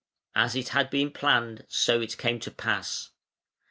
As it had been planned so it came to pass.